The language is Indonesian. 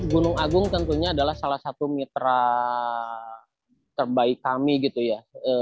gunung agung tentunya adalah salah satu mitra terbaik kami gitu ya